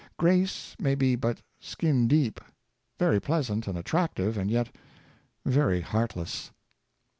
Grace may be but skin deep — very pleasant and attractive, and yet very heartless.